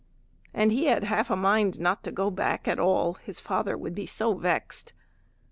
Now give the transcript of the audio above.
And he had half a mind not to go back at all, his father would be so vexed.